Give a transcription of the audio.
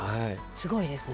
すごいですね。